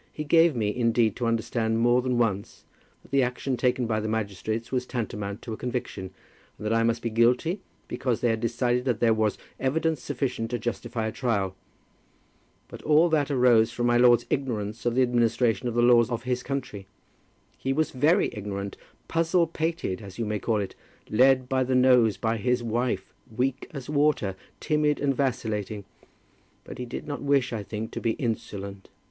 He gave me, indeed, to understand more than once that the action taken by the magistrates was tantamount to a conviction, and that I must be guilty because they had decided that there was evidence sufficient to justify a trial. But all that arose from my lord's ignorance of the administration of the laws of his country. He was very ignorant, puzzle pated, as you may call it, led by the nose by his wife, weak as water, timid, and vacillating. But he did not wish, I think, to be insolent.